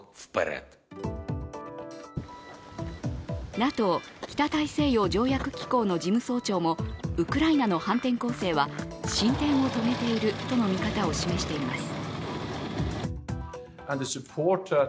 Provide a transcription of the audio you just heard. ＮＡＴＯ＝北大西洋条約機構の事務総長もウクライナの反転攻勢は進展を遂げているとの見方を示しています。